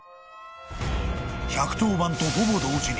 ［１１０番とほぼ同時に］